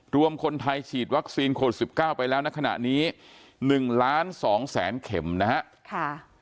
รวมคนไทยฉีดวัคซีนโควิดสิบเก้าไปแล้วในขณะนี้หนึ่งล้านสองแสนเข็มนะฮะค่ะ